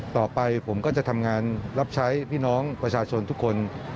ต่อไปผมก็จะทำงานรับใช้พี่น้องประชาชนทุกคน